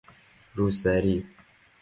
روسری